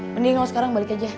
mending kalau sekarang balik aja